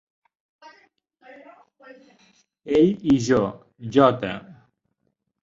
Ell i jo. J.